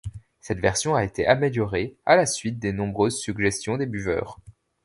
Cette version a été améliorée à la suite des nombreuses suggestions des buveurs.